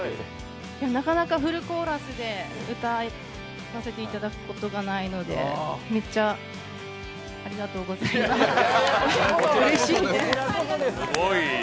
なかなかフルコーラスで歌わせていただくことがないのでめっちゃありがとうございます、うれしいです。